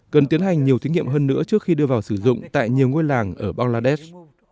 cần tiến hành nhiều thí nghiệm hơn nữa trước khi đưa vào sử dụng tại nhiều ngôi làng ở bangladesh